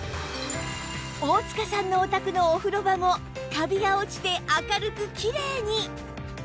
大塚さんのお宅のお風呂場もカビが落ちて明るくキレイに！